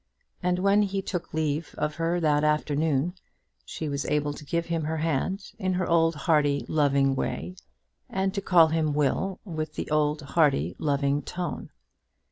And when he took leave of her that afternoon, she was able to give him her hand in her old hearty, loving way, and to call him Will with the old hearty, loving tone.